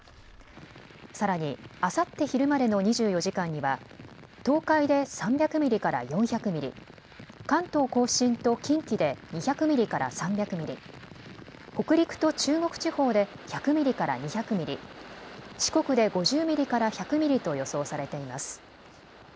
さらに、あさって昼までの２４時間には、東海で３００ミリから４００ミリ、関東甲信と近畿で２００ミリから３００ミリ、北陸と中国地方で１００ミリから２００ミリ、四国で５０ミリから１００ミリと予想されています。